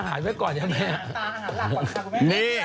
จากกระแสของละครกรุเปสันนิวาสนะฮะ